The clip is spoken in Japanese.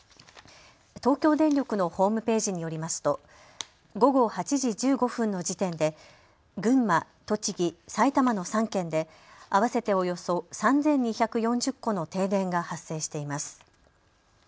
東京電力のホームページによりますと午後８時１５分の時点で群馬、栃木、埼玉の３県で合わせておよそ３２４０戸の停電が発生しています。